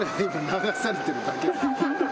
流されてるだけ。